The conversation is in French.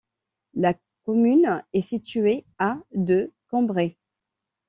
La commune est située à de Cambrai.